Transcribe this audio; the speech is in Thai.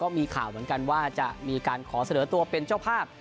มีข่าวเหมือนกันว่าจะมีการขอเสนอตัวเป็นเจ้าภาพ